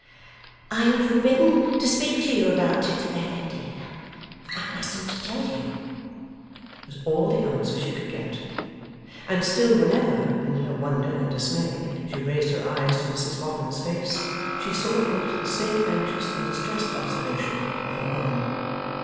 'I am forbidden to speak to you about it, Bella dear; I mustn't tell you,' was all the answer she could get. And still, whenever, in her wonder and dismay, she raised her eyes to Mrs Boffin's face, she saw in it the same anxious and distressed observation of her own.